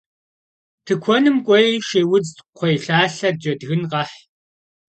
Тыкуэным кӏуэи шейудз, кхъуейлъалъэ, джэдгын къэхь.